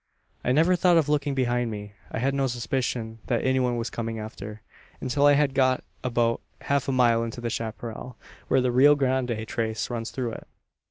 "I never thought of looking behind me. I had no suspicion that any one was coming after; until I had got about half a mile into the chapparal where the Rio Grande trace runs through it.